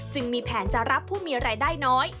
มีแผนจะรับผู้มีรายได้น้อย